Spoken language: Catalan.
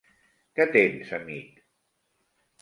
Què tens, amic?